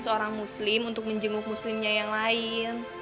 seorang muslim untuk menjenguk muslimnya yang lain